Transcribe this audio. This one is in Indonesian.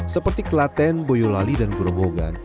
seperti kelaten boyolali dan gorobogan